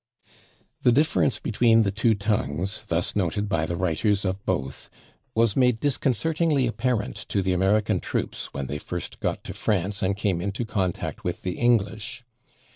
The difference between the two tongues, thus noted by the writers of both, was made disconcertingly apparent to the American troops when they first got to France and came into contact with the English.